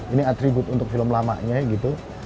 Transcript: ini atribut untuk film lamanya gitu